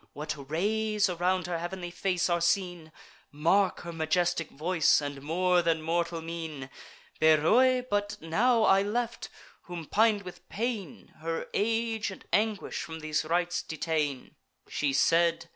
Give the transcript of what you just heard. What rays around her heav'nly face are seen! Mark her majestic voice, and more than mortal mien! Beroe but now I left, whom, pin'd with pain, Her age and anguish from these rites detain," She said.